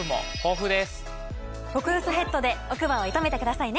極薄ヘッドで奥歯を射止めてくださいね！